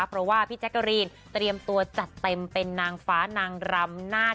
เพราะว่าพี่แจ๊กกะรีนเตรียมตัวจัดเต็มเป็นนางฟ้านางรำนาค